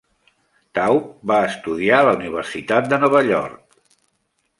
Taub va estudiar a la Universitat de Nova York.